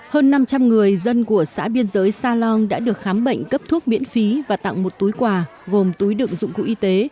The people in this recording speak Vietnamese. hơn năm trăm linh người dân của xã biên giới sa long đã được khám bệnh cấp thuốc miễn phí và tặng một túi quà gồm túi đựng dụng cụ y tế